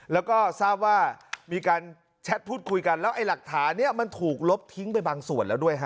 แล้วก็ทราบว่ามีการแชทพูดคุยกันแล้วไอ้หลักฐานนี้มันถูกลบทิ้งไปบางส่วนแล้วด้วยฮะ